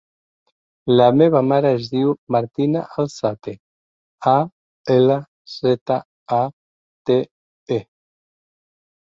La meva mare es diu Martina Alzate: a, ela, zeta, a, te, e.